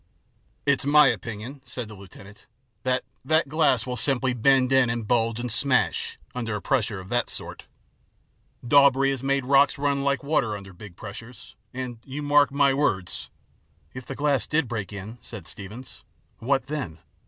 " It's my opinion," said the lieutenant, " that that glass will simply bend in and bulge and smash, IN THE ABYSS 73 under a pressure of that sort. Daubree has made rocks run like water under big pressures and, you mark my words " "If the glass did break in," said Steevens, " what then